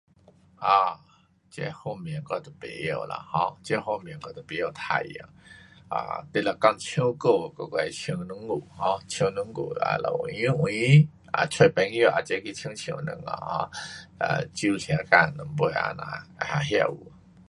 um 这方面我都不晓啦 um，这方面我都不晓玩耍。um 你若讲唱歌，我，我会唱两句。um 唱两句，um 有闲有闲就找朋友也齐去唱唱一下，酒喝多一点，那这样，那有。